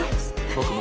僕も。